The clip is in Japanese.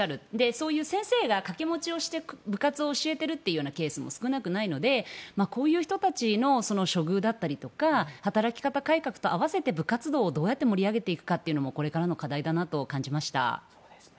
そういう先生が掛け持ちをして部活を教えているというケースも少なくないのでこういう人たちの処遇だったり働き方改革と併せて部活動をどうやって盛り上げていくのかもこれからの課題だなと感じました。